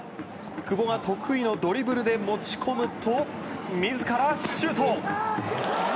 久保は得意のドリブルで持ち込むと自らシュート！